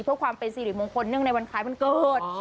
เพื่อความเป็นสิริมงคลเนื่องในวันคล้ายวันเกิด